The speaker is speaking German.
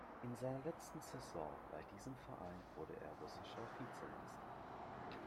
In seiner letzten Saison bei diesem Verein wurde er russischer Vizemeister.